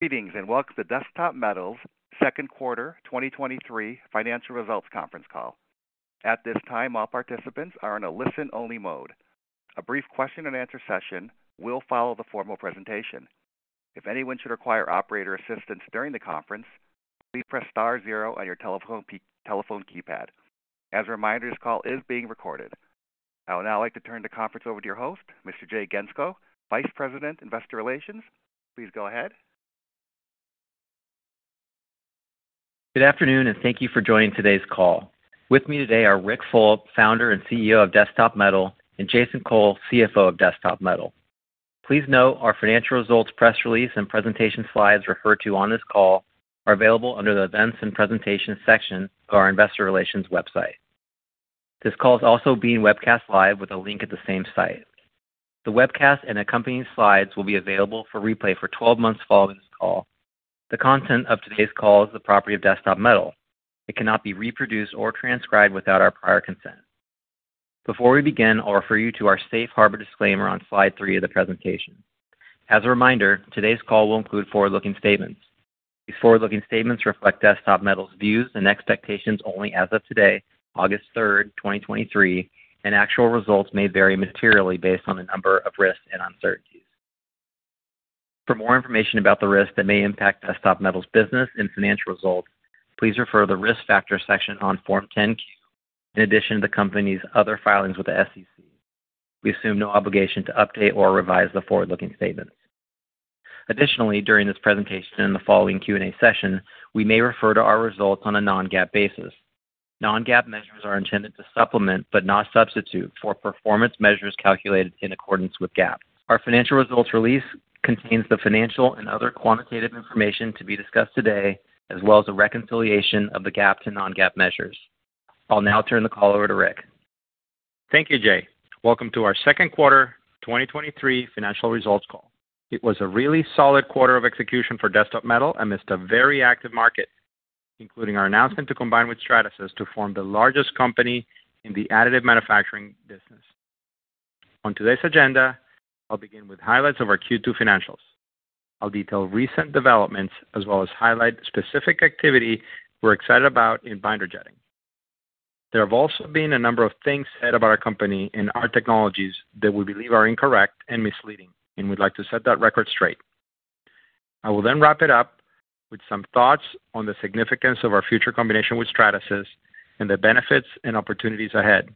Good evenings, welcome to Desktop Metal's Q2 2023 Financial Results Conference Call. At this time, all participants are in a listen-only mode. A brief question-and-answer session will follow the formal presentation. If anyone should require operator assistance during the conference, please press star zero on your telephone keypad. As a reminder, this call is being recorded. I would now like to turn the conference over to your host, Mr. Jay Gentzkow, Vice President, Investor Relations. Please go ahead. Good afternoon, and thank you for joining today's call. With me today are Ric Fulop, Founder and CEO of Desktop Metal, Jason Cole, CFO of Desktop Metal. Please note our financial results, press release, and presentation slides referred to on this call are available under the Events & Presentations section of our Investor Relations website. This call is also being webcast live with a link at the same site. The webcast and accompanying slides will be available for replay for 12 months following this call. The content of today's call is the property of Desktop Metal. It cannot be reproduced or transcribed without our prior consent. Before we begin, I'll refer you to our safe harbor disclaimer on slide 3 of the presentation. As a reminder, today's call will include forward-looking statements. These forward-looking statements reflect Desktop Metal's views and expectations only as of today, August 3, 2023. Actual results may vary materially based on a number of risks and uncertainties. For more information about the risks that may impact Desktop Metal's business and financial results, please refer to the Risk Factors section on Form 10-K, in addition to the company's other filings with the SEC. We assume no obligation to update or revise the forward-looking statements. Additionally, during this presentation and the following Q&A session, we may refer to our results on a non-GAAP basis. Non-GAAP measures are intended to supplement, but not substitute, for performance measures calculated in accordance with GAAP. Our financial results release contains the financial and other quantitative information to be discussed today, as well as a reconciliation of the GAAP to non-GAAP measures. I'll now turn the call over to Ric. Thank you, Jay. Welcome to our Q2 2023 Financial Results Call. It was a really solid quarter of execution for Desktop Metal amidst a very active market, including our announcement to combine with Stratasys to form the largest company in the additive manufacturing business. On today's agenda, I'll begin with highlights of our Q2 financials. I'll detail recent developments as well as highlight specific activity we're excited about in binder jetting. There have also been a number of things said about our company and our technologies that we believe are incorrect and misleading, and we'd like to set that record straight. I will then wrap it up with some thoughts on the significance of our future combination with Stratasys and the benefits and opportunities ahead.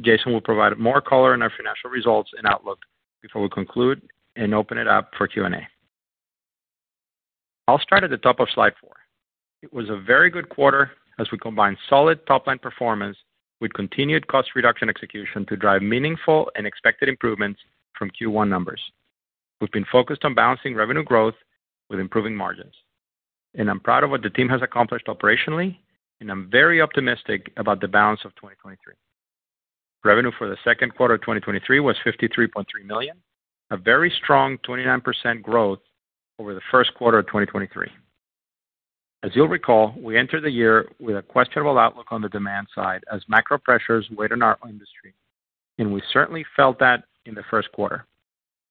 Jason will provide more color on our financial results and outlook before we conclude and open it up for Q&A. I'll start at the top of Slide 4. It was a very good quarter as we combined solid top-line performance with continued cost reduction execution to drive meaningful and expected improvements from Q1 numbers. We've been focused on balancing revenue growth with improving margins, and I'm proud of what the team has accomplished operationally, and I'm very optimistic about the balance of 2023. Revenue for the Q2 of 2023 was $53.3 million, a very strong 29% growth over the Q1 of 2023. As you'll recall, we entered the year with a questionable outlook on the demand side as macro pressures weighed on our industry, and we certainly felt that in the Q1.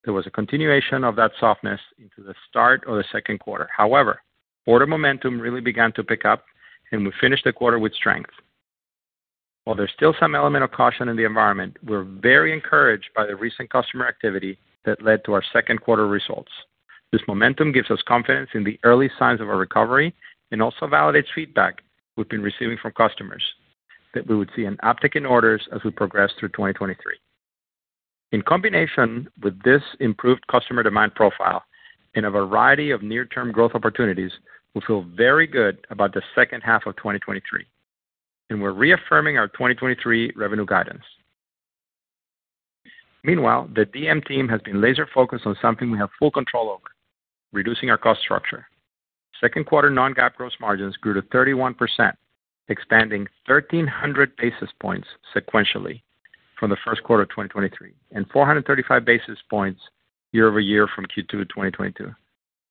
There was a continuation of that softness into the start of the Q2. However, order momentum really began to pick up, and we finished the quarter with strength. While there's still some element of caution in the environment, we're very encouraged by the recent customer activity that led to our Q2 results. This momentum give us confidence in the early signs of a recovery and also validates feedback we've been receiving from customers, that we would see an uptick in orders as we progress through 2023. In combination with this improved customer demand profile and a variety of near-term growth opportunities, we feel very good about the second half of 2023, and we're reaffirming our 2023 revenue guidance. Meanwhile, the DM team has been laser-focused on something we have full control over, reducing our cost structure. Q2 non-GAAP gross margins grew to 31%, expanding 1,300 basis points sequentially from the Q1 of 2023, and 435 basis points year-over-year from Q2 2022.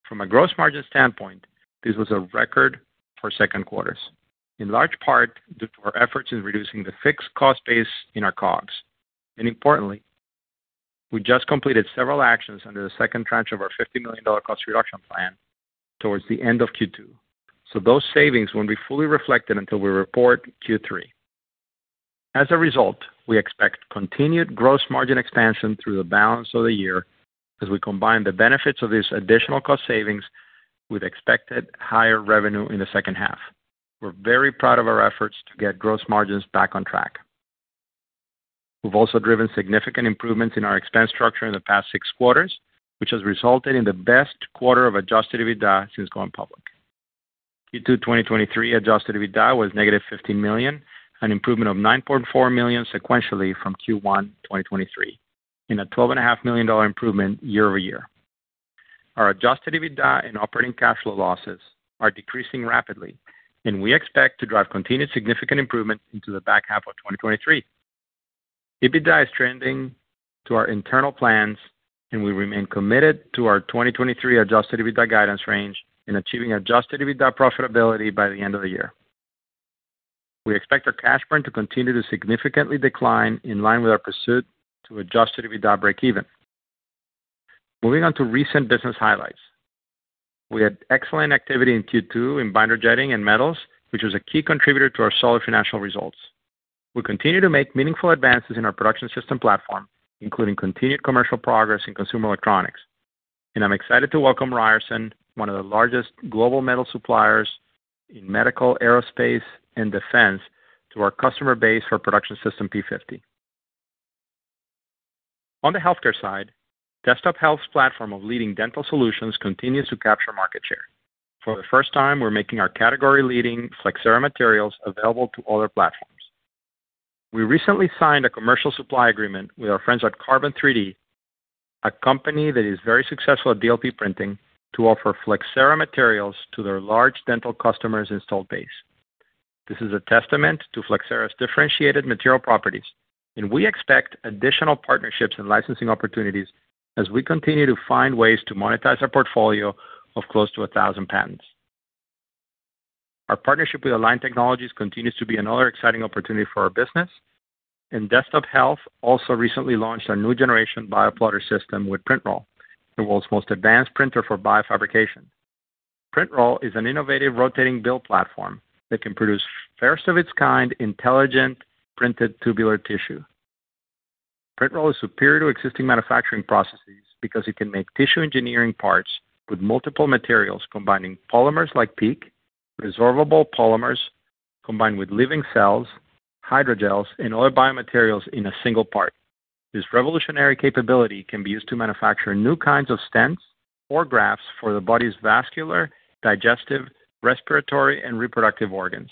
From a gross margin standpoint, this was a record for Q2, in large part due to our efforts in reducing the fixed cost base in our COGS. Importantly, we just completed several actions under the second tranche of our $50 million cost reduction plan towards the end of Q2. Those savings won't be fully reflected until we report Q3. As a result, we expect continued gross margin expansion through the balance of the year as we combine the benefits of these additional cost savings with expected higher revenue in the second half. We're very proud of our efforts to get gross margins back on track. We've also driven significant improvements in our expense structure in the past six quarters, which has resulted in the best quarter of Adjusted EBITDA since going public. Q2 2023 Adjusted EBITDA was negative $15 million, an improvement of $9.4 million sequentially from Q1 2023, a $12.5 million improvement year-over-year. Our Adjusted EBITDA and operating cash flow losses are decreasing rapidly. We expect to drive continued significant improvement into H2 2023. EBITDA is trending to our internal plans. We remain committed to our 2023 Adjusted EBITDA guidance range in achieving Adjusted EBITDA profitability by the end of the year. We expect our cash burn to continue to significantly decline in line with our pursuit to EBITDA breakeven. Moving on to recent business highlights. We had excellent activity in Q2 in binder jetting and metals, which was a key contributor to our solid financial results. We continue to make meaningful advances in our Production System platform, including continued commercial progress in consumer electronics. I'm excited to welcome Ryerson, one of the largest global metal suppliers in medical, aerospace, and defense, to our customer base for Production System P-50. On the healthcare side, Desktop Health's platform of leading dental solutions continues to capture market share. For the first time, we're making our category-leading Flexcera materials available to other platforms. We recently signed a commercial supply agreement with our friends at Carbon, a company that is very successful at DLP printing, to offer Flexcera materials to their large dental customers' installed base. This is a testament to Flexcera's differentiated material properties, and we expect additional partnerships and licensing opportunities as we continue to find ways to monetize our portfolio of close to 1,000 patents. Our partnership with Align Technology continues to be another exciting opportunity for our business, and Desktop Health also recently launched our new generation 3D-Bioplotter system with PrintRoll, the world's most advanced printer for biofabrication. PrintRoll is an innovative rotating build platform that can produce first-of-its-kind, intelligent printed tubular tissue. PrintRoll is superior to existing manufacturing processes because it can make tissue engineering parts with multiple materials, combining polymers like PEEK, resorbable polymers, combined with living cells, hydrogels, and other biomaterials in a single part. This revolutionary capability can be used to manufacture new kinds of stents or grafts for the body's vascular, digestive, respiratory, and reproductive organs.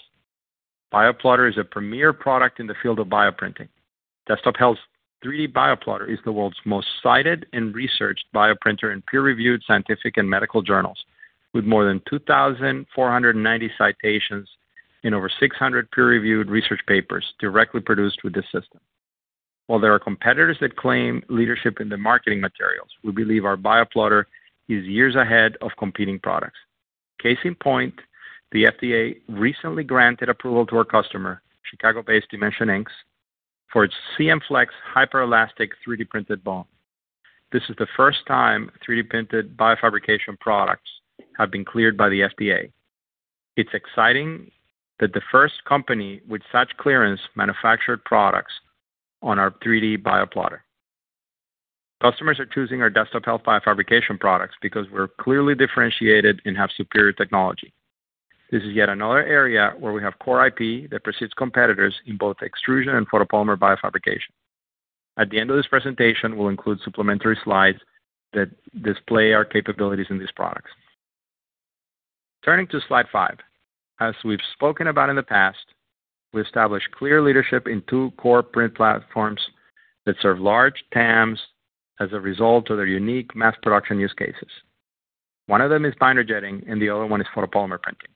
3D-Bioplotter is a premier product in the field of bioprinting. Desktop Health's 3D-Bioplotter is the world's most cited and researched bioprinter in peer-reviewed scientific and medical journals, with more than 2,490 citations in over 600 peer-reviewed research papers directly produced with this system. While there are competitors that claim leadership in the marketing materials, we believe our BioPlotter is years ahead of competing products. Case in point, the FDA recently granted approval to our customer, Chicago-based Dimension Inx, for its CMFlex hyper-elastic 3D-printed bone. This is the first time 3D-printed biofabrication products have been cleared by the FDA. It's exciting that the first company with such clearance manufactured products on our 3D-Bioplotter. Customers are choosing our Desktop Health biofabrication products because we're clearly differentiated and have superior technology. This is yet another area where we have core IP that precedes competitors in both extrusion and photopolymer biofabrication. At the end of this presentation, we'll include supplementary slides that display our capabilities in these products. Turning to Slide five. As we've spoken about in the past, we established clear leadership in two core print platforms that serve large TAMs as a result of their unique mass production use cases. One of them is binder jetting, and the other one is photopolymer printing.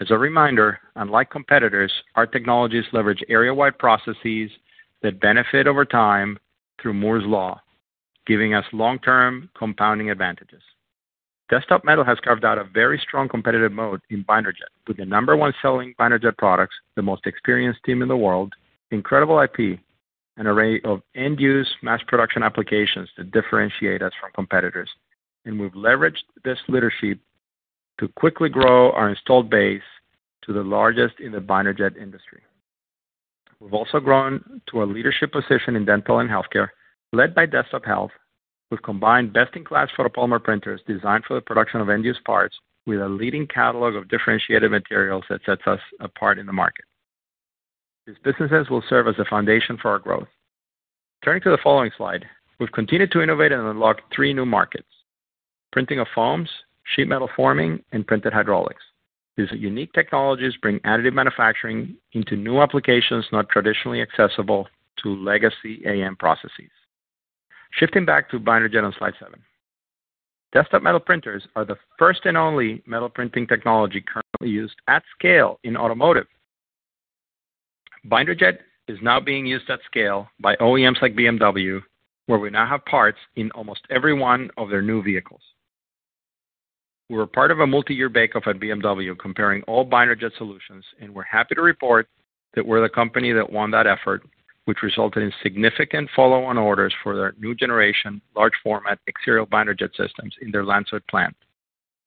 As a reminder, unlike competitors, our technologies leverage area-wide processes that benefit over time through Moore's Law, giving us long-term compounding advantages. Desktop Metal has carved out a very strong competitive mode in binder jet, with the number one selling binder jet products, the most experienced team in the world, incredible IP, an array of end-use mass production applications to differentiate us from competitors. We've leveraged this leadership to quickly grow our installed base to the largest in the binder jet industry. We've also grown to a leadership position in dental and healthcare, led by Desktop Health. We've combined best-in-class photopolymer printers designed for the production of end-use parts with a leading catalog of differentiated materials that sets us apart in the market. These businesses will serve as a foundation for our growth. Turning to the following slide, we've continued to innovate and unlock three new markets: printing of foams, sheet metal forming, and printed hydraulics. These unique technologies bring additive manufacturing into new applications, not traditionally accessible to legacy AM processes. Shifting back to binder jet on slide seven. Desktop Metal printers are the first and only metal printing technology currently used at scale in automotive. Binder jet is now being used at scale by OEMs like BMW, where we now have parts in almost every one of their new vehicles. We're a part of a multi-year bake-off at BMW, comparing all binder jet solutions, and we're happy to report that we're the company that won that effort, which resulted in significant follow-on orders for their new generation, large format, exterior binder jet systems in their Landshut plant.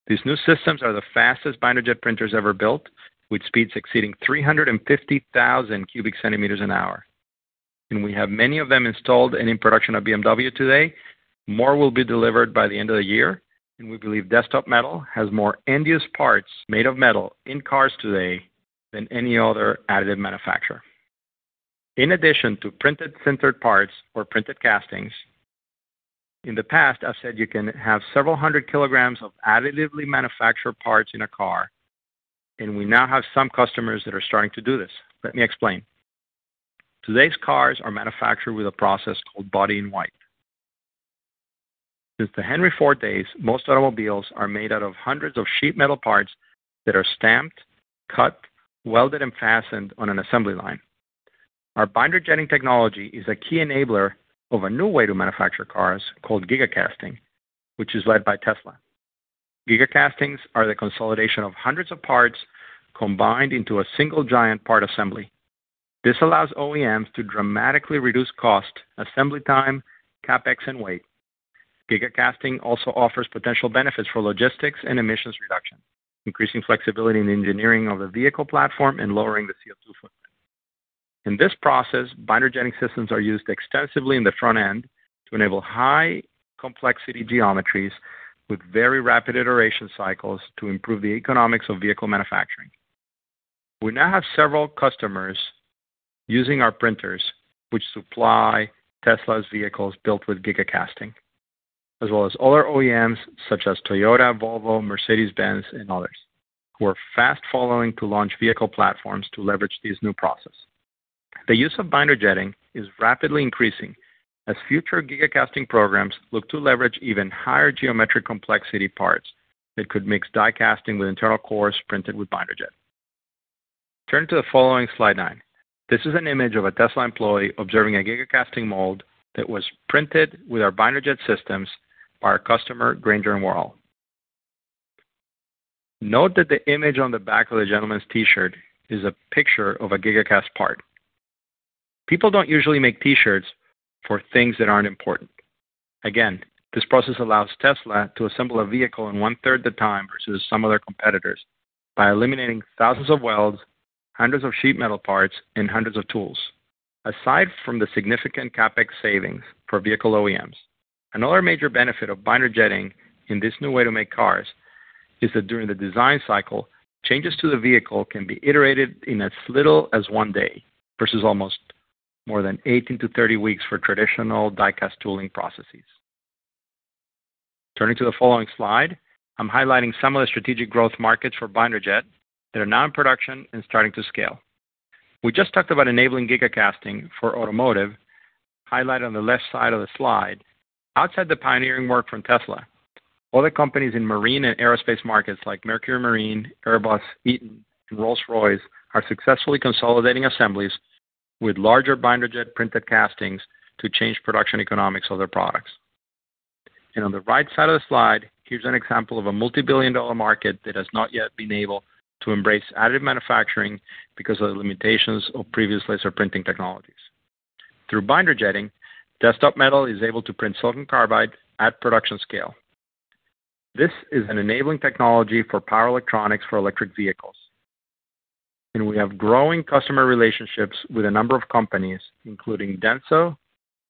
These new systems are the fastest binder jet printers ever built, with speeds exceeding 350,000 cubic centimeters an hour. We have many of them installed and in production at BMW today. More will be delivered by the end of the year, and we believe Desktop Metal has more end-use parts made of metal in cars today than any other additive manufacturer. In addition to printed sintered parts or printed castings, in the past, I've said you can have several hundred kilograms of additively manufactured parts in a car, and we now have some customers that are starting to do this. Let me explain. Today's cars are manufactured with a process called body in white. Since the Henry Ford days, most automobiles are made out of hundreds of sheet metal parts that are stamped, cut, welded, and fastened on an assembly line. Our binder jetting technology is a key enabler of a new way to manufacture cars called gigacasting, which is led by Tesla. Gigacastings are the consolidation of hundreds of parts combined into a single giant part assembly. This allows OEMs to dramatically reduce cost, assembly time, CapEx, and weight. Gigacasting also offers potential benefits for logistics and emissions reduction, increasing flexibility in the engineering of the vehicle platform and lowering the CO2 footprint. In this process, binder jetting systems are used extensively in the front end to enable high complexity geometries with very rapid iteration cycles to improve the economics of vehicle manufacturing. We now have several customers using our printers, which supply Tesla's vehicles built with gigacasting, as well as other OEMs such as Toyota, Volvo, Mercedes-Benz, and others, who are fast following to launch vehicle platforms to leverage this new process. The use of binder jetting is rapidly increasing as future gigacasting programs look to leverage even higher geometric complexity parts that could mix die casting with internal cores printed with binder jet. Turn to the following slide nine. This is an image of a Tesla employee observing a gigacasting mold that was printed with our binder jet systems by our customer, Grainger & Worrall. Note that the image on the back of the gentleman's T-shirt is a picture of a gigacast part. People don't usually make T-shirts for things that aren't important. Again, this process allows Tesla to assemble a vehicle in one-third the time versus some of their competitors, by eliminating thousands of welds, hundreds of sheet metal parts, and hundreds of tools. Aside from the significant CapEx savings for vehicle OEMs, another major benefit of binder jetting in this new way to make cars is that during the design cycle, changes to the vehicle can be iterated in as little as one day, versus almost more than 18-30 weeks for traditional die-cast tooling processes. Turning to the following slide, I'm highlighting some of the strategic growth markets for binder jet that are now in production and starting to scale. We just talked about enabling gigacasting for automotive, highlighted on the left side of the slide. Outside the pioneering work from Tesla, other companies in marine and aerospace markets like Mercury Marine, Airbus, Eaton, and Rolls-Royce, are successfully consolidating assemblies with larger binder jet printed castings to change production economics of their products. On the right side of the slide, here's an example of a multi-billion dollar market that has not yet been able to embrace additive manufacturing because of the limitations of previous laser printing technologies. Through binder jetting, Desktop Metal is able to print silicon carbide at production scale. This is an enabling technology for power electronics for electric vehicles, and we have growing customer relationships with a number of companies, including Denso,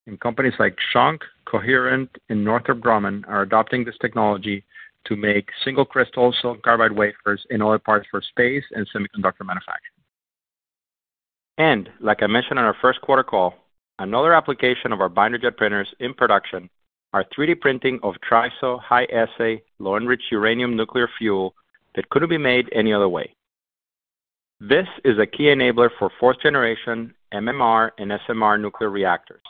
and companies like Schunk, Coherent, and Northrop Grumman are adopting this technology to make single crystal silicon carbide wafers and other parts for space and semiconductor manufacturing. Like I mentioned on our Q1 call, another application of our binder jet printers in production are 3D printing of TRISO high-assay, low-enriched uranium nuclear fuel that couldn't be made any other way. This is a key enabler for fourth generation MMR and SMR nuclear reactors.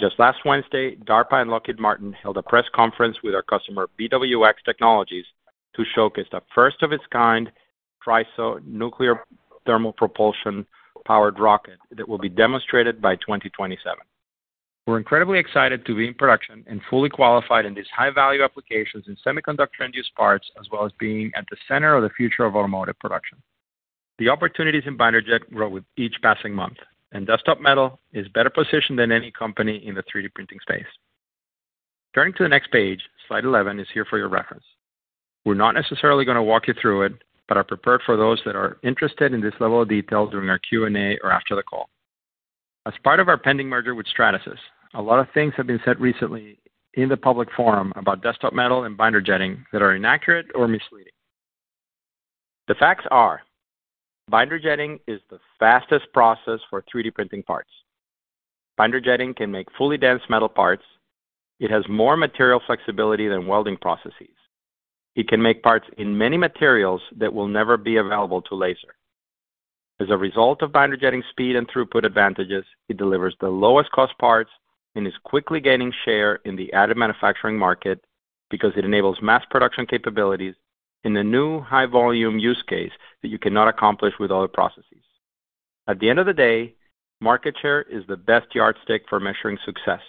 Just last Wednesday, DARPA and Lockheed Martin held a press conference with our customer, BWX Technologies, to showcase the first of its kind TRISO nuclear thermal propulsion-powered rocket that will be demonstrated by 2027. We're incredibly excited to be in production and fully qualified in these high-value applications in semiconductor end-use parts, as well as being at the center of the future of automotive production. The opportunities in binder jet grow with each passing month. Desktop Metal is better positioned than any company in the 3D printing space. Turning to the next page, Slide 11 is here for your reference. We're not necessarily going to walk you through it, are prepared for those that are interested in this level of detail during our Q&A or after the call. As part of our pending merger with Stratasys, a lot of things have been said recently in the public forum about Desktop Metal and binder jetting that are inaccurate or misleading. The facts are, binder jetting is the fastest process for 3D printing parts. Binder jetting can make fully dense metal parts. It has more material flexibility than welding processes. It can make parts in many materials that will never be available to laser. As a result of binder jetting speed and throughput advantages, it delivers the lowest cost parts and is quickly gaining share in the additive manufacturing market because it enables mass production capabilities in a new high-volume use case that you cannot accomplish with other processes. At the end of the day, market share is the best yardstick for measuring success,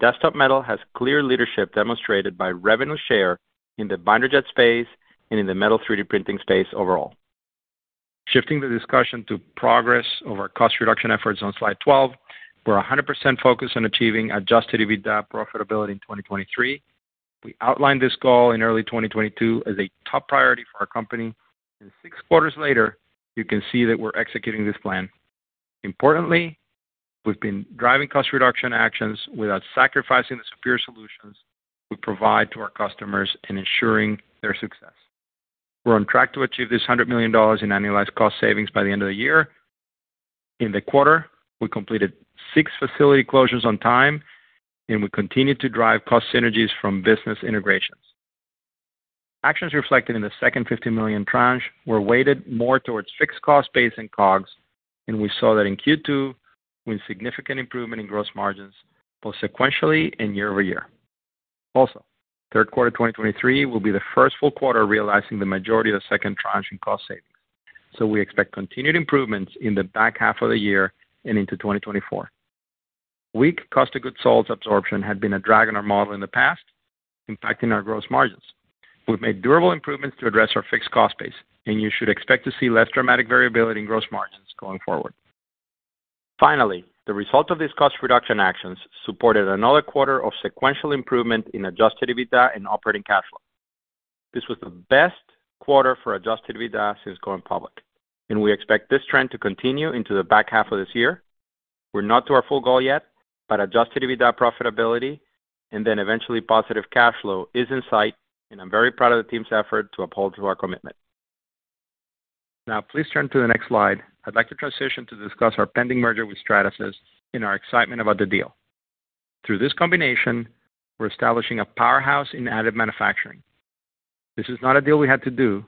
Desktop Metal has clear leadership demonstrated by revenue share in the binder jet space and in the metal 3D printing space overall. Shifting the discussion to progress of our cost reduction efforts on Slide 12, we're 100% focused on achieving Adjusted EBITDA profitability in 2023. We outlined this goal in early 2022 as a top priority for our company, and six quarters later, you can see that we're executing this plan. Importantly, we've been driving cost reduction actions without sacrificing the superior solutions we provide to our customers and ensuring their success. We're on track to achieve this $100 million in annualized cost savings by the end of the year. In the quarter, we completed six facility closures on time, and we continued to drive cost synergies from business integrations. Actions reflected in the second $50 million tranche were weighted more towards fixed cost base and COGS, and we saw that in Q2, with significant improvement in gross margins, both sequentially and year-over-year. Also, Q3 2023 will be the first full quarter realizing the majority of the second tranche in cost savings. We expect continued improvements in the back half of the year and into 2024. Weak cost of goods sold absorption had been a drag on our model in the past, impacting our gross margins. We've made durable improvements to address our fixed cost base, and you should expect to see less dramatic variability in gross margins going forward. The result of these cost reduction actions supported another quarter of sequential improvement in Adjusted EBITDA and operating cash flow. This was the best quarter for Adjusted EBITDA since going public, and we expect this trend to continue into the back half of this year. We're not to our full goal yet, but Adjusted EBITDA profitability and then eventually positive cash flow is in sight, and I'm very proud of the team's effort to uphold to our commitment. Please turn to the next slide. I'd like to transition to discuss our pending merger with Stratasys and our excitement about the deal. Through this combination, we're establishing a powerhouse in additive manufacturing. This is not a deal we had to do,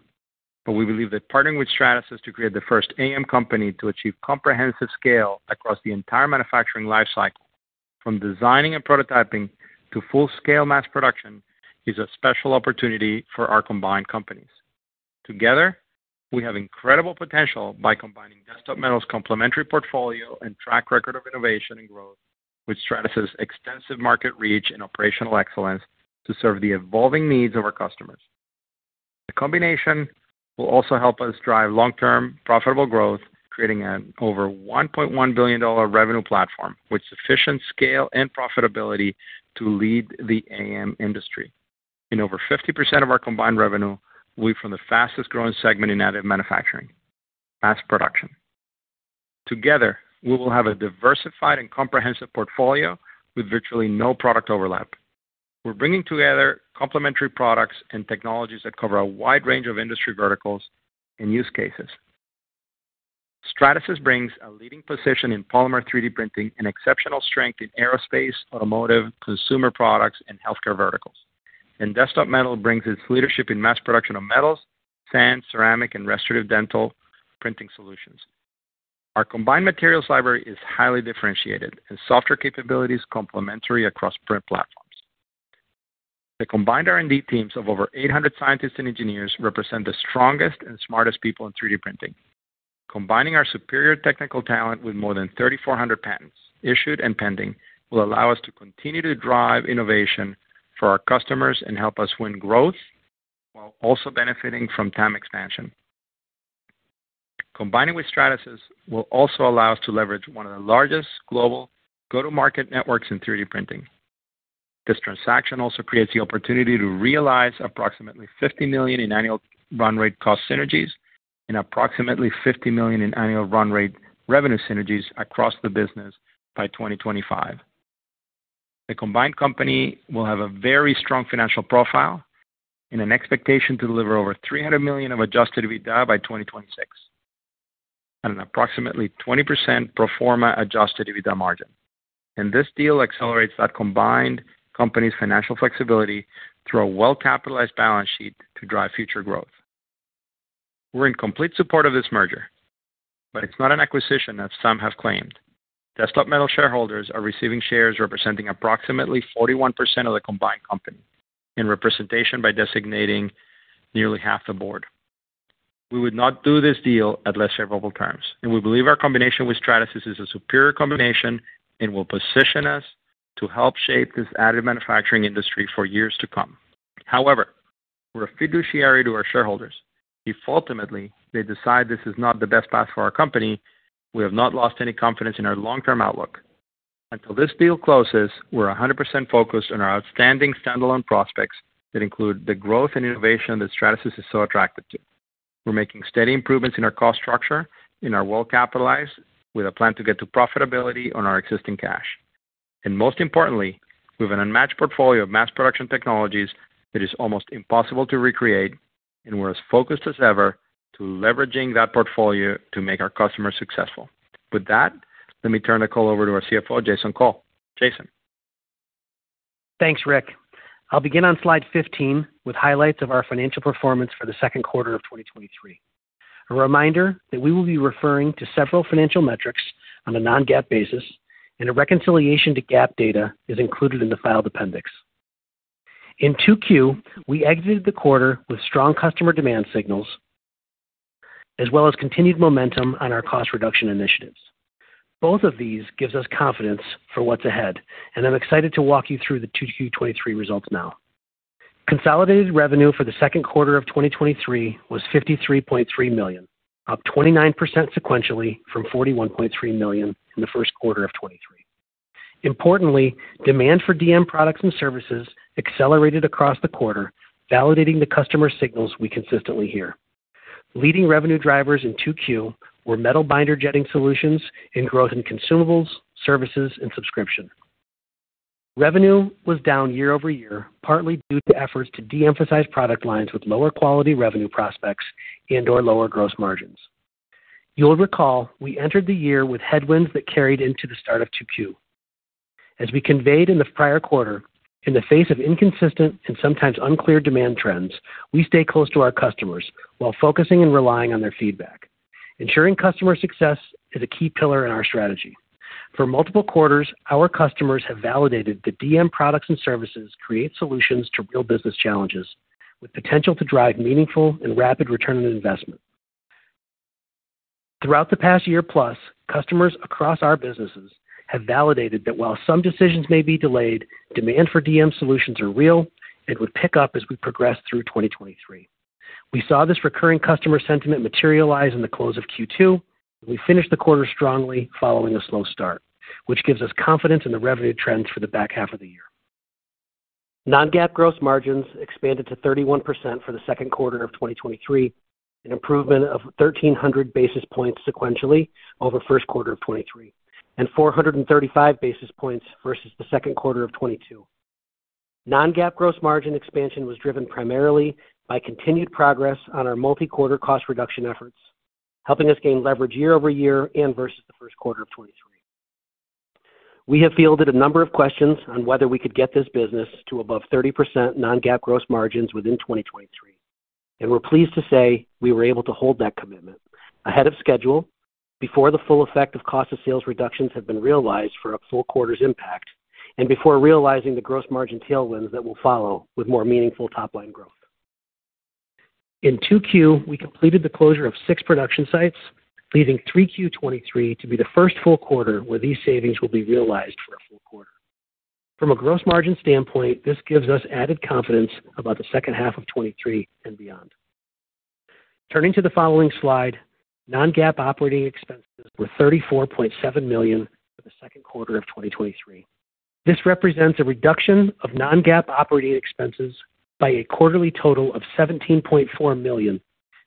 but we believe that partnering with Stratasys to create the first AM company to achieve comprehensive scale across the entire manufacturing lifecycle, from designing and prototyping to full-scale mass production, is a special opportunity for our combined companies. Together, we have incredible potential by combining Desktop Metal's complementary portfolio and track record of innovation and growth with Stratasys' extensive market reach and operational excellence to serve the evolving needs of our customers. The combination will also help us drive long-term profitable growth, creating an over $1.1 billion revenue platform with sufficient scale and profitability to lead the AM industry. Over 50% of our combined revenue will be from the fastest growing segment in additive manufacturing, mass production. Together, we will have a diversified and comprehensive portfolio with virtually no product overlap. We're bringing together complementary products and technologies that cover a wide range of industry verticals and use cases. Stratasys brings a leading position in polymer 3D printing and exceptional strength in aerospace, automotive, consumer products, and healthcare verticals. Desktop Metal brings its leadership in mass production of metals, sand, ceramic, and restorative dental printing solutions. Our combined materials library is highly differentiated, and software capabilities complementary across print platforms. The combined R&D teams of over 800 scientists and engineers represent the strongest and smartest people in 3D printing. Combining our superior technical talent with more than 3,400 patents, issued and pending, will allow us to continue to drive innovation for our customers and help us win growth, while also benefiting from TAM expansion. Combining with Stratasys will also allow us to leverage one of the largest global go-to-market networks in 3D printing. This transaction also creates the opportunity to realize approximately $50 million in annual run rate cost synergies and approximately $50 million in annual run rate revenue synergies across the business by 2025. The combined company will have a very strong financial profile and an expectation to deliver over $300 million of Adjusted EBITDA by 2026, and an approximately 20% pro forma Adjusted EBITDA margin. This deal accelerates that combined company's financial flexibility through a well-capitalized balance sheet to drive future growth. We're in complete support of this merger. It's not an acquisition, as some have claimed. Desktop Metal shareholders are receiving shares representing approximately 41% of the combined company, in representation by designating nearly half the board. We would not do this deal at less favorable terms. We believe our combination with Stratasys is a superior combination and will position us to help shape this additive manufacturing industry for years to come. We're a fiduciary to our shareholders. If ultimately they decide this is not the best path for our company, we have not lost any confidence in our long-term outlook. Until this deal closes, we're 100% focused on our outstanding standalone prospects that include the growth and innovation that Stratasys is so attracted to. We're making steady improvements in our cost structure, and are well capitalized, with a plan to get to profitability on our existing cash. Most importantly, we have an unmatched portfolio of mass production technologies that is almost impossible to recreate, and we're as focused as ever to leveraging that portfolio to make our customers successful. With that, let me turn the call over to our CFO, Jason Cole. Jason? Thanks, Ric. I'll begin on slide 15 with highlights of our financial performance for the Q2 of 2023. A reminder that we will be referring to several financial metrics on a non-GAAP basis, and a reconciliation to GAAP data is included in the filed appendix. In 2Q, we exited the quarter with strong customer demand signals, as well as continued momentum on our cost reduction initiatives. Both of these give us confidence for what's ahead, and I'm excited to walk you through the 2Q 2023 results now. Consolidated revenue for the Q2 of 2023 was $53.3 million, up 29% sequentially from $41.3 million in the Q1 of 2023. Importantly, demand for DM products and services accelerated across the quarter, validating the customer signals we consistently hear. Leading revenue drivers in Q2 were metal binder jetting solutions and growth in consumables, services, and subscription. Revenue was down year-over-year, partly due to efforts to de-emphasize product lines with lower quality revenue prospects and/or lower gross margins. You'll recall we entered the year with headwinds that carried into the start of Q2. As we conveyed in the prior quarter, in the face of inconsistent and sometimes unclear demand trends, we stay close to our customers while focusing and relying on their feedback. Ensuring customer success is a key pillar in our strategy. For multiple quarters, our customers have validated that DM products and services create solutions to real business challenges, with potential to drive meaningful and rapid return on investment. Throughout the past year-plus, customers across our businesses have validated that while some decisions may be delayed, demand for DM solutions are real, and would pick up as we progress through 2023. We saw this recurring customer sentiment materialize in the close of Q2. We finished the quarter strongly following a slow start, which give us confidence in the revenue trends for the back half of the year. Non-GAAP gross margins expanded to 31% for the Q2 of 2023, an improvement of 1,300 basis points sequentially over Q1 of 2023, and 435 basis points versus the Q2 of 2022. Non-GAAP gross margin expansion was driven primarily by continued progress on our multi-quarter cost reduction efforts, helping us gain leverage year-over-year and versus the Q1 of 2023. We have fielded a number of questions on whether we could get this business to above 30% non-GAAP gross margins within 2023, and we're pleased to say we were able to hold that commitment ahead of schedule before the full effect of cost of sales reductions have been realized for a full quarter's impact, and before realizing the gross margin tailwinds that will follow with more meaningful top line growth. In Q2, we completed the closure of 6 production sites, leaving Q3 2023 to be the first full quarter where these savings will be realized for a full quarter. From a gross margin standpoint, this gives us added confidence about H2 2023 and beyond. Turning to the following slide, non-GAAP operating expenses were $34.7 million for the Q2 of 2023. This represents a reduction of non-GAAP operating expenses by a quarterly total of $17.4 million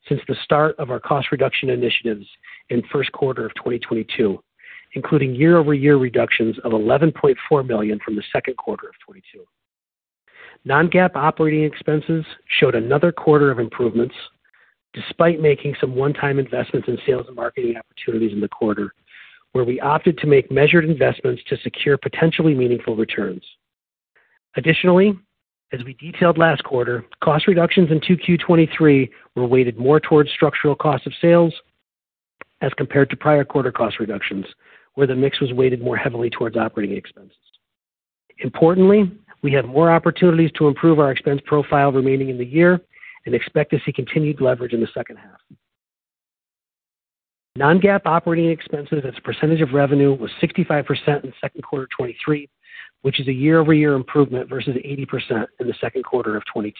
since the start of our cost reduction initiatives in Q1 2022, including year-over-year reductions of $11.4 million from Q2 2022. Non-GAAP operating expenses showed another quarter of improvements, despite making some one-time investments in sales and marketing opportunities in the quarter, where we opted to make measured investments to secure potentially meaningful returns. As we detailed last quarter, cost reductions in Q2 2023 were weighted more towards structural cost of sales as compared to prior quarter cost reductions, where the mix was weighted more heavily towards operating expenses. We had more opportunities to improve our expense profile remaining in the year and expect to see continued leverage in the second half. Non-GAAP operating expenses as a percentage of revenue was 65% in the Q2 of 2023, which is a year-over-year improvement versus 80% in the Q2 of 2022.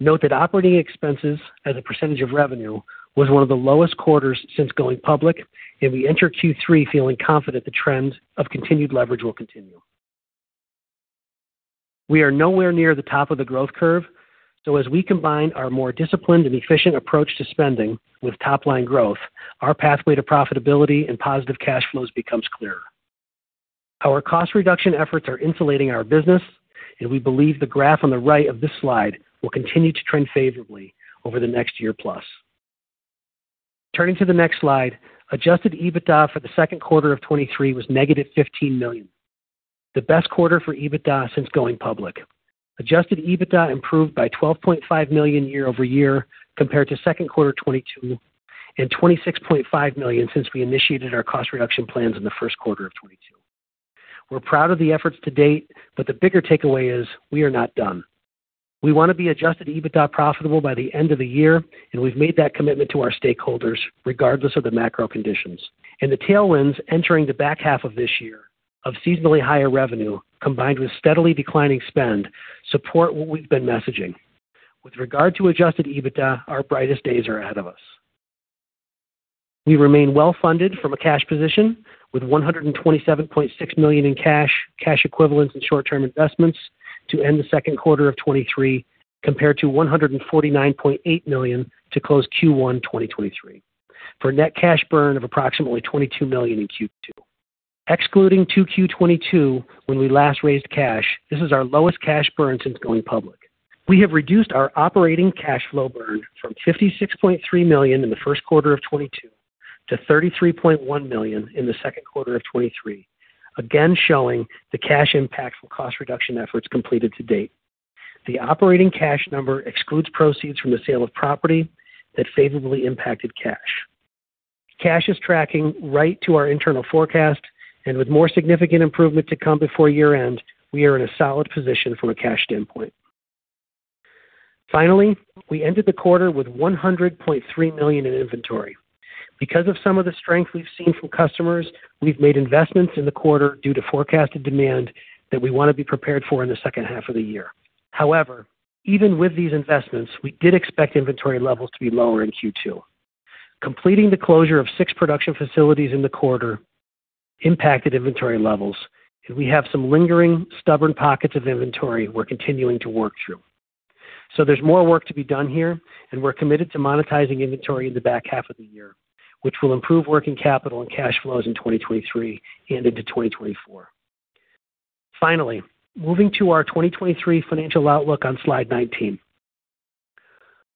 Note that operating expenses as a percentage of revenue was one of the lowest quarters since going public, and we enter Q3 feeling confident the trend of continued leverage will continue. We are nowhere near the top of the growth curve, so as we combine our more disciplined and efficient approach to spending with top-line growth, our pathway to profitability and positive cash flows becomes clearer. Our cost reduction efforts are insulating our business, and we believe the graph on the right of this slide will continue to trend favorably over the next year plus. Turning to the next slide. Adjusted EBITDA for the Q2 of 2023 was $(15) million, the best quarter for EBITDA since going public. Adjusted EBITDA improved by $12.5 million year-over-year compared to Q2 2022, and $26.5 million since we initiated our cost reduction plans in the Q1 of 2022. We're proud of the efforts to date, but the bigger takeaway is we are not done. We want to be Adjusted EBITDA profitable by the end of the year, and we've made that commitment to our stakeholders, regardless of the macro conditions. The tailwinds entering the back half of this year of seasonally higher revenue, combined with steadily declining spend, support what we've been messaging. With regard to Adjusted EBITDA, our brightest days are ahead of us. We remain well-funded from a cash position with $127.6 million in cash, cash equivalents and short-term investments to end the Q2 of 2023, compared to $149.8 million to close Q1 2023, for net cash burn of approximately $22 million in Q2. Excluding Q2 2022, when we last raised cash, this is our lowest cash burn since going public. We have reduced our operating cash flow burn from $56.3 million in the Q1 of 2022 to $33.1 million in the Q2 of 2023, again showing the cash impact for cost reduction efforts completed to date. The operating cash number excludes proceeds from the sale of property that favorably impacted cash. Cash is tracking right to our internal forecast, and with more significant improvement to come before year-end, we are in a solid position from a cash standpoint. Finally, we ended the quarter with $100.3 million in inventory. Because of some of the strength we've seen from customers, we've made investments in the quarter due to forecasted demand that we want to be prepared for in the second half of the year. However, even with these investments, we did expect inventory levels to be lower in Q2. Completing the closure of six production facilities in the quarter impacted inventory levels, and we have some lingering, stubborn pockets of inventory we're continuing to work through. There's more work to be done here, and we're committed to monetizing inventory in the back half of the year, which will improve working capital and cash flows in 2023 and into 2024. Finally, moving to our 2023 financial outlook on Slide 19.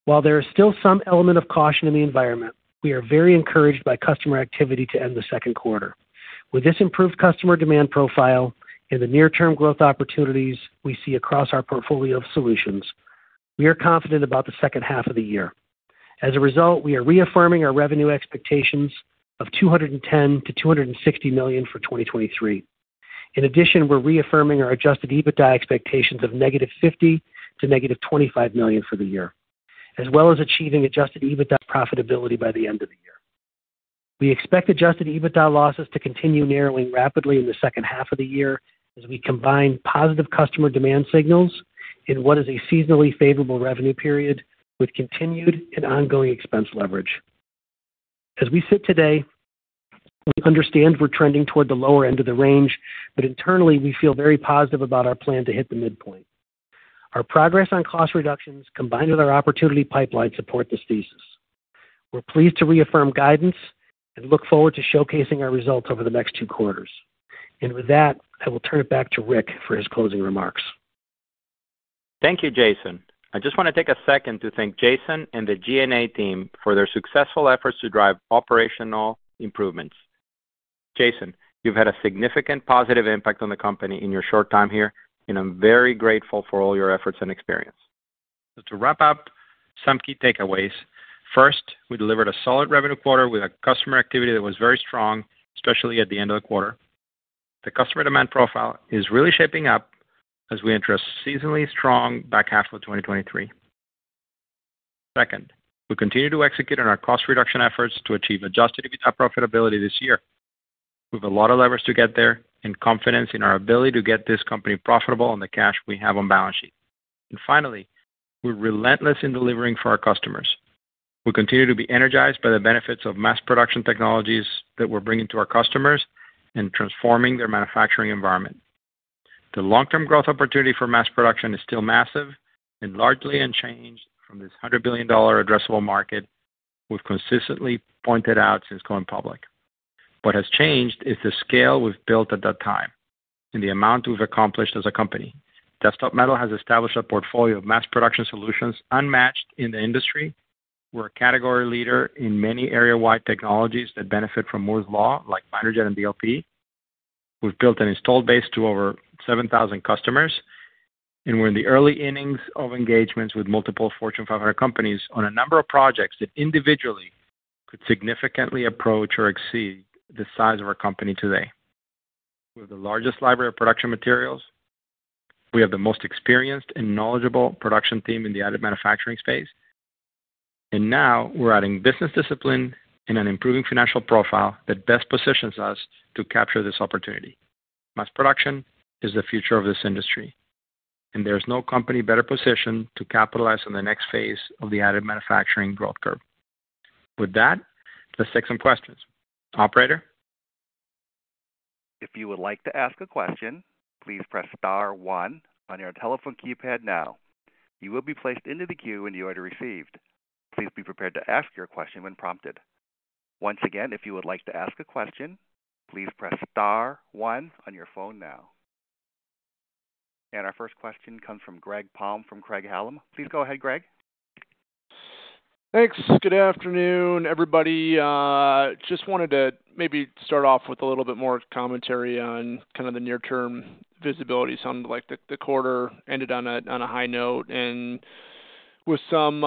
While there is still some element of caution in the environment, we are very encouraged by customer activity to end the Q2. With this improved customer demand profile and the near-term growth opportunities we see across our portfolio of solutions, we are confident about the second half of the year. As a result, we are reaffirming our revenue expectations of $210 million-$260 million for 2023. In addition, we're reaffirming our Adjusted EBITDA expectations of $(50) million to $(25) million for the year, as well as achieving Adjusted EBITDA profitability by the end of the year. We expect Adjusted EBITDA losses to continue narrowing rapidly in the second half of the year as we combine positive customer demand signals in what is a seasonally favorable revenue period, with continued and ongoing expense leverage. As we sit today, we understand we're trending toward the lower end of the range, but internally, we feel very positive about our plan to hit the midpoint. Our progress on cost reductions, combined with our opportunity pipeline, support this thesis. We're pleased to reaffirm guidance and look forward to showcasing our results over the next 2 quarters. With that, I will turn it back to Ric for his closing remarks. Thank you, Jason. I just want to take a second to thank Jason and the G&A team for their successful efforts to drive operational improvements. Jason, you've had a significant positive impact on the company in your short time here, and I'm very grateful for all your efforts and experience. To wrap up some key takeaways. First, we delivered a solid revenue quarter with a customer activity that was very strong, especially at the end of the quarter. The customer demand profile is really shaping up as we enter a seasonally strong back half of 2023. Second, we continue to execute on our cost reduction efforts to achieve Adjusted EBITDA profitability this year. We have a lot of leverage to get there and confidence in our ability to get this company profitable on the cash we have on balance sheet. Finally, we're relentless in delivering for our customers. We continue to be energized by the benefits of mass production technologies that we're bringing to our customers and transforming their manufacturing environment. The long-term growth opportunity for mass production is still massive and largely unchanged from this $100 billion addressable market we've consistently pointed out since going public. What has changed is the scale we've built at that time and the amount we've accomplished as a company. Desktop Metal has established a portfolio of mass production solutions unmatched in the industry. We're a category leader in many area-wide technologies that benefit from Moore's Law, like binder jet and DLP. We've built an installed base to over 7,000 customers, and we're in the early innings of engagements with multiple Fortune 500 companies on a number of projects that individually could significantly approach or exceed the size of our company today. We have the largest library of production materials. We have the most experienced and knowledgeable production team in the additive manufacturing space, and now we're adding business discipline and an improving financial profile that best positions us to capture this opportunity. Mass production is the future of this industry, and there's no company better positioned to capitalize on the next phase of the additive manufacturing growth curve. With that, let's take some questions. Operator? If you would like to ask a question, please press star 1 on your telephone keypad now. You will be placed into the queue when you are received. Please be prepared to ask your question when prompted. Once again, if you would like to ask a question, please press star 1 on your phone now. Our first question comes from Greg Palm from Craig-Hallum. Please go ahead, Greg. Thanks. Good afternoon, everybody. Just wanted to maybe start off with a little bit more commentary on kind of the near-term visibility. Sounded like the quarter ended on a high note and with some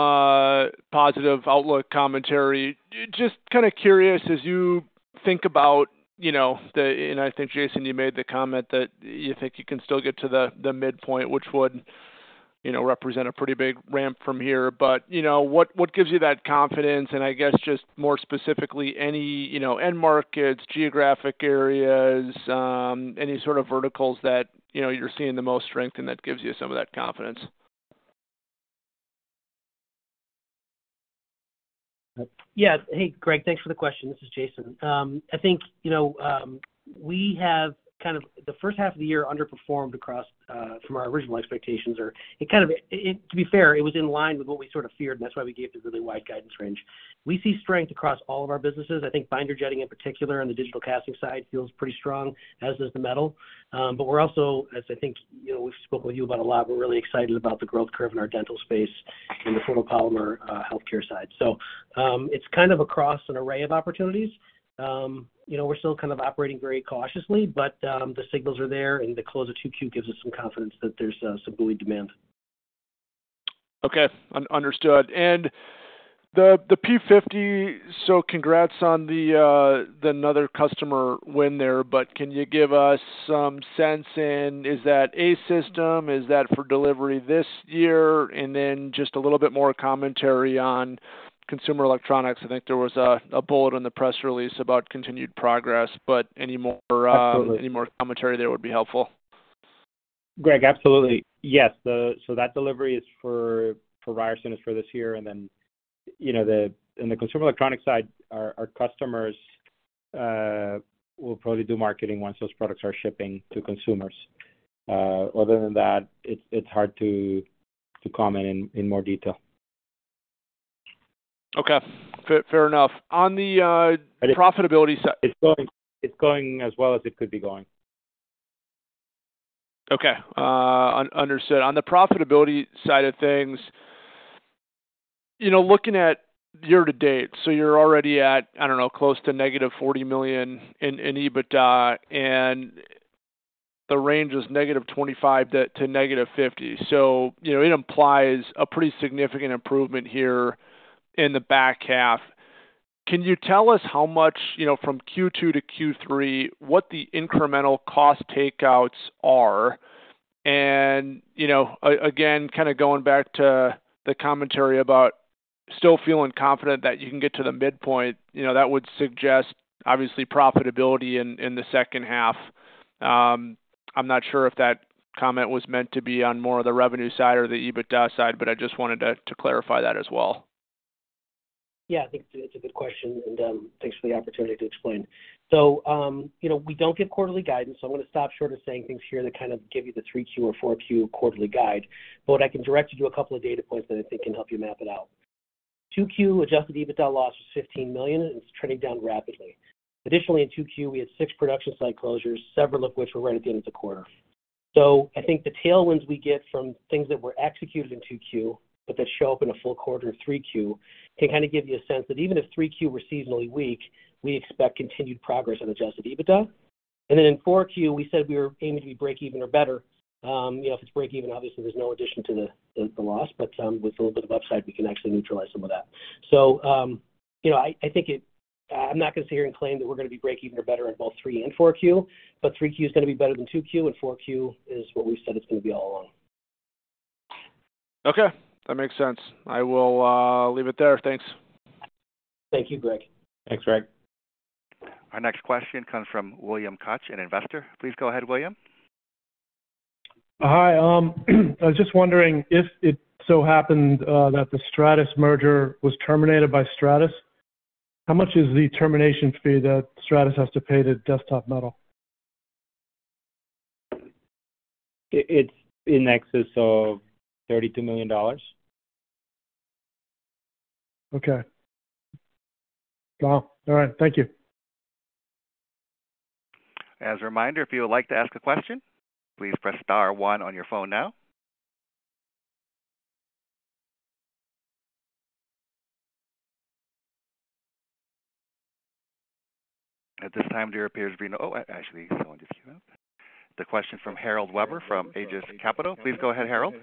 positive outlook commentary. Just kind of curious, as you think about, you know, the... I think, Jason, you made the comment that you think you can still get to the midpoint, which would, you know, represent a pretty big ramp from here. You know, what, what gives you that confidence? I guess just more specifically, any, you know, end markets, geographic areas, any sort of verticals that, you know, you're seeing the most strength and that gives you some of that confidence? Yeah. Hey, Greg, thanks for the question. This is Jason. I think, you know, we have kind of the first half of the year underperformed across from our original expectations, or to be fair, it was in line with what we sort of feared, and that's why we gave the really wide guidance range. We see strength across all of our businesses. I think binder jetting, in particular, on the digital casting side, feels pretty strong, as does the metal. But we're also, as I think, you know, we've spoke with you about a lot, we're really excited about the growth curve in our dental space and the photopolymer healthcare side. It's kind of across an array of opportunities. You know, we're still kind of operating very cautiously, but the signals are there, and the close of 2Q gives us some confidence that there's some buoyant demand. Okay, understood. The P-50, so congrats on another customer win there. Can you give us some sense in, is that a system? Is that for delivery this year? Then just a little bit more commentary on consumer electronics. I think there was a bullet on the press release about continued progress, but any more? Absolutely. Any more commentary there would be helpful. Greg, absolutely. Yes, that delivery is for Ryerson is for this year. Then, you know, in the consumer electronic side, our customers will probably do marketing once those products are shipping to consumers. Other than that, it's hard to comment in more detail. Okay, fair, fair enough. On the profitability side. It's going, it's going as well as it could be going. Okay, understood. On the profitability side of things. You know, looking at year to date, you're already at, I don't know, close to -$40 million in EBITDA, and the range is -$25 million to -$50 million. You know, it implies a pretty significant improvement here in the back half. Can you tell us how much, you know, from Q2 to Q3, what the incremental cost takeouts are? You know, again, kind of going back to the commentary about still feeling confident that you can get to the midpoint, you know, that would suggest obviously profitability in the second half. I'm not sure if that comment was meant to be on more of the revenue side or the EBITDA side, but I just wanted to clarify that as well. Yeah, I think it's a good question. Thanks for the opportunity to explain. You know, we don't give quarterly guidance, so I'm going to stop short of saying things here that kind of give you the 3Q or 4Q quarterly guide. I can direct you to a couple of data points that I think can help you map it out. Q2 Adjusted EBITDA loss was $15 million, and it's trending down rapidly. Additionally, in Q2, we had six production site closures, several of which were right at the end of the quarter. I think the tailwinds we get from things that were executed in Q2, but that show up in a full quarter in Q3, can kind of give you a sense that even if Q3 were seasonally weak, we expect continued progress on Adjusted EBITDA. Then in Q4, we said we were aiming to be breakeven or better. You know, if it's breakeven, obviously there's no addition to the, the, the loss, but with a little bit of upside, we can actually neutralize some of that. You know, I, I think I'm not going to sit here and claim that we're going to be breakeven or better in both Q3 and Q4, but Q3 is going to be better than Q2, and Q4 is what we've said it's going to be all along. Okay, that makes sense. I will leave it there. Thanks. Thank you, Greg. Thanks, Greg. Our next question comes from William Koch, an investor. Please go ahead, William. Hi, I was just wondering if it so happened that the Stratasys merger was terminated by Stratasys, how much is the termination fee that Stratasys has to pay to Desktop Metal? It's in excess of $32 million. Okay. Well, all right. Thank you. As a reminder, if you would like to ask a question, please press star one on your phone now. At this time, there appears to be no... Oh, actually, someone just came up. The question from Harold Weber, from Aegis Capital. Please go ahead, Harold.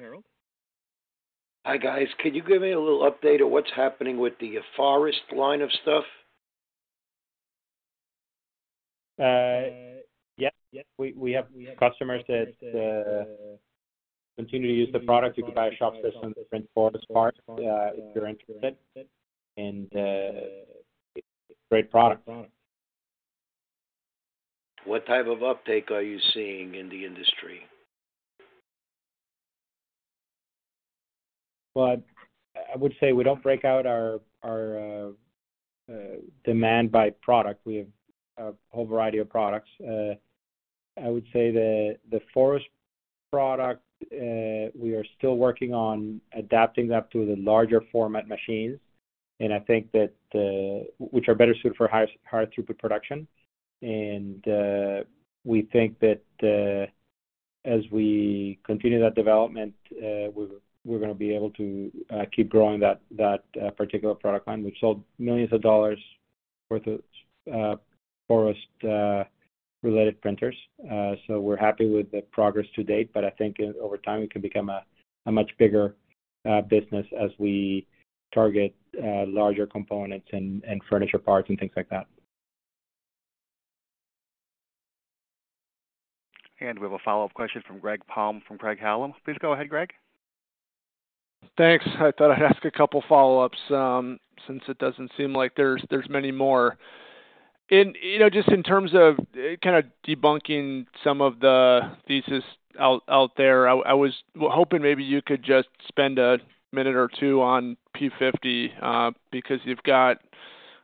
Hi, guys. Can you give me a little update on what's happening with the Forust line of stuff? Yes, we, we have customers that continue to use the product. You can buy a shop system to print Forust parts, if you're interested. It's a great product. What type of uptake are you seeing in the industry? I would say we don't break out our, our demand by product. We have a whole variety of products. I would say that the Forust product, we are still working on adapting that to the larger format machines. Which are better suited for high, higher throughput production. We think that as we continue that development, we, we're going to be able to keep growing that, that particular product line. We've sold millions of dollars worth of Forust related printers, so we're happy with the progress to date, but I think over time, it can become a, a much bigger business as we target larger components and, and furniture parts and things like that. We have a follow-up question from Greg Palm from Craig-Hallum. Please go ahead, Greg. Thanks. I thought I'd ask a couple follow-ups, since it doesn't seem like there's, there's many more. You know, just in terms of, kind of debunking some of the thesis out, out there, I, I was hoping maybe you could just spend a minute or two on P-50, because you've got,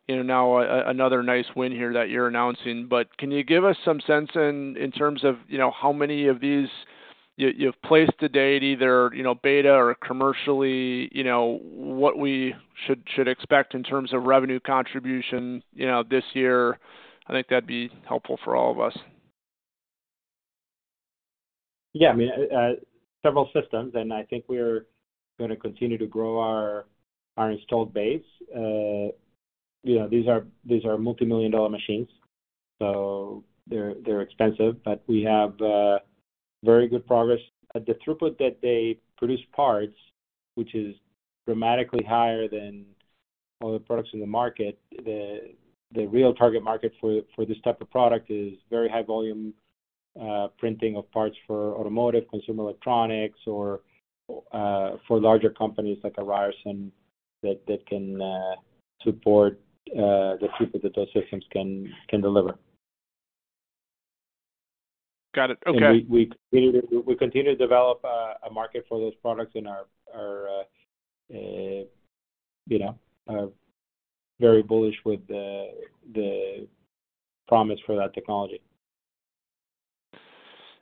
you know, now another nice win here that you're announcing. Can you give us some sense in, in terms of, you know, how many of these you've placed to date, either, you know, beta or commercially, you know, what we should expect in terms of revenue contribution, you know, this year? I think that'd be helpful for all of us. Yeah, I mean, several systems, I think we are going to continue to grow our installed base. You know, these are multi-million-dollar machines, so they're expensive, but we have very good progress. At the throughput that they produce parts, which is dramatically higher than all the products in the market, the real target market for this type of product is very high volume printing of parts for automotive, consumer electronics, or for larger companies like Ryerson that can support the throughput that those systems can deliver. Got it. Okay. We, we, we continue to develop a, a market for those products, and our, our, you know, are very bullish with the, the promise for that technology.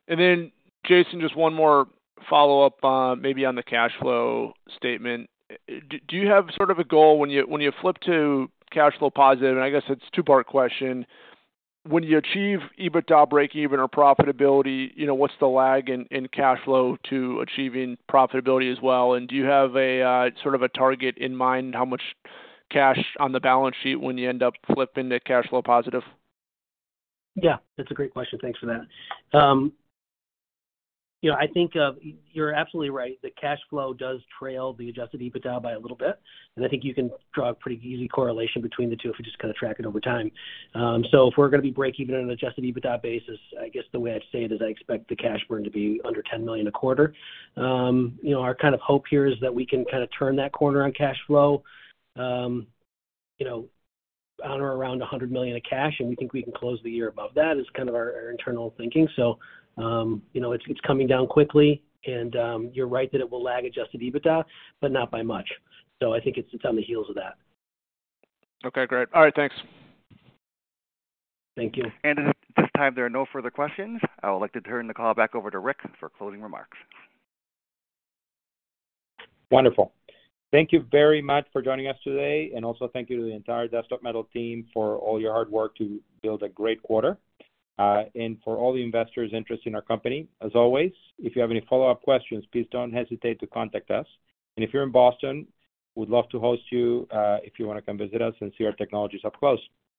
Then, Jason, just one more follow-up, maybe on the cash flow statement. Do you have sort of a goal when you, when you flip to cash flow positive? I guess it's a two-part question: When you achieve EBITDA breakeven or profitability, you know, what's the lag in, in cash flow to achieving profitability as well? Do you have a, sort of a target in mind, how much cash on the balance sheet when you end up flipping to cash flow positive? Yeah, that's a great question. Thanks for that. You know, I think you're absolutely right, that cash flow does trail the Adjusted EBITDA by a little bit, and I think you can draw a pretty easy correlation between the two if you just kind of track it over time. If we're going to be breakeven on an Adjusted EBITDA basis, I guess the way I'd say it is I expect the cash burn to be under $10 million a quarter. You know, our kind of hope here is that we can kind of turn that corner on cash flow, you know, on or around $100 million of cash, and we think we can close the year above that. It's kind of our, our internal thinking. You know, it's, it's coming down quickly, and you're right that it will lag Adjusted EBITDA, but not by much. I think it's on the heels of that. Okay, great. All right, thanks. Thank you. At this time, there are no further questions. I would like to turn the call back over to Ric for closing remarks. Wonderful. Also thank you to the entire Desktop Metal team for all your hard work to build a great quarter. For all the investors interested in our company, as always, if you have any follow-up questions, please don't hesitate to contact us. If you're in Boston, we'd love to host you, if you want to come visit us and see our technologies up close.